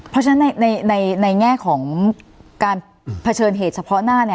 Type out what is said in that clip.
เพราะฉะนั้นในแง่ของการเผชิญเหตุเฉพาะหน้า